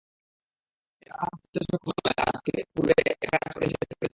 এরা পাহাড়ে চড়তে সক্ষম নয় আর তুমি পূর্বে একাজ করতে নিষেধ করেছিলে।